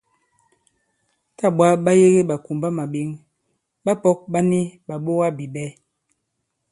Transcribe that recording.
Tâ ɓwǎ ɓa yege ɓàkùmbamàɓěŋ, ɓapɔ̄k ɓa ni ɓàɓogabìɓɛ̌.